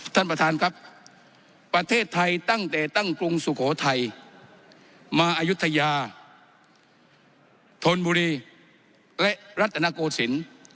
ท่านประธานครับประเทศไทยตั้งแต่ตั้งกรุงสุโขทัยมาอายุทยาธนบุรีและรัฐนโกศิลป์